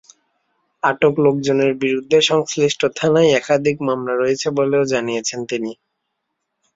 আটক লোকজনের বিরুদ্ধে সংশ্লিষ্ট থানায় একাধিক মামলা রয়েছে বলেও জানিয়েছেন তিনি।